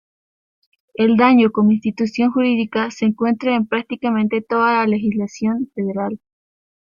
El daño como institución jurídica se encuentra en prácticamente toda la legislación federal.